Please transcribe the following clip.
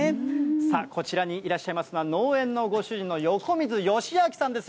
さあ、こちらにいらっしゃいますのは、農園のご主人の横溝義明さんです。